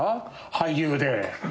俳優で。